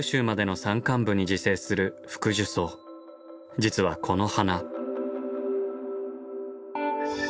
実はこの花。